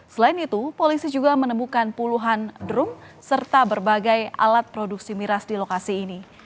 selain itu polisi juga menemukan puluhan drum serta berbagai alat produksi miras di lokasi ini